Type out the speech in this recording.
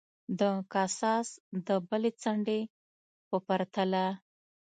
د کاساس د بلې څنډې په پرتله.